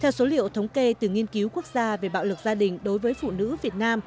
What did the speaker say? theo số liệu thống kê từ nghiên cứu quốc gia về bạo lực gia đình đối với phụ nữ việt nam